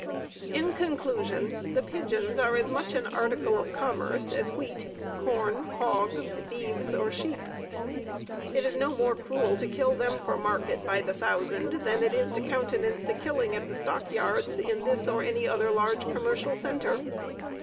In conclusion, the pigeons are as much an article of commerce as wheat, corn, hogs, beeves, or sheep. It is no more cruel to kill them for market by the thousand, than it is to countenance the killing at the stock yards in this or any other large commercial center.